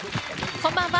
こんばんは。